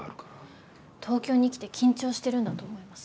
東京に来て緊張してるんだと思います。